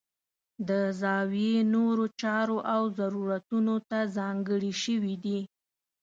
د زاویې نورو چارو او ضرورتونو ته ځانګړې شوي دي.